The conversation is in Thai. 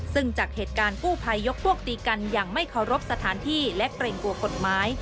ซึ่งจากเหตุการณ์กู้ภัยยกพวกตีกันอย่างไม่เคารพสถานที่และเกรงกลัวกฎหมาย